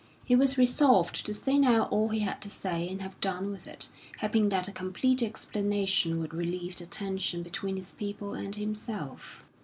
He was resolved to say now all he had to say and have done with it, hoping that a complete explanation would relieve the tension between his people and himself.